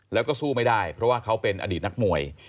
แล้วก็สู้ไม่ได้เพราะว่าเขาเป็นอดีตนักมวย